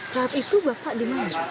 saat itu bapak di mana